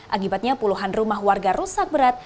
akibatnya puluhan rumah warga rusak berat